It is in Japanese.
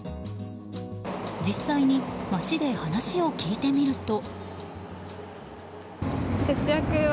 実際に、街で話を聞いてみると。